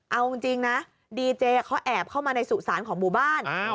เอาจริงนะดีเจเขาแอบเข้ามาในสุสานของหมู่บ้าน